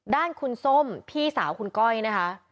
ด้านคุณส้มพี่สาวคุณก้อยนะคะ